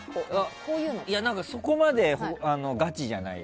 いや、そこまでガチじゃない。